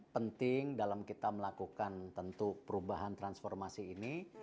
penting dalam kita melakukan tentu perubahan transformasi ini